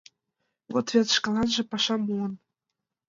Вот вет, шкаланже пашам муын.